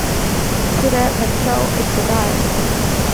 Today Mitchell is to die.